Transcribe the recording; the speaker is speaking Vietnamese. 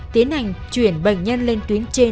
tiến hành chuyển bệnh nhân lên tuyến trên